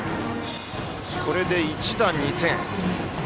これで一打２点。